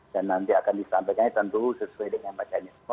dan nanti akan disampaikan tentu sesuai dengan majanisme